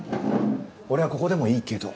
俺はここでもいいけど。